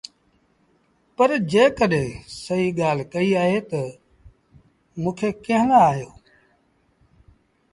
پر جيڪڏهينٚ سهيٚ ڳآل ڪئيٚ اهي تا تو موٚنٚ کي ڪݩهݩ لآ هݩيو؟